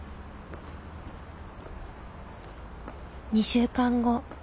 ２週間後。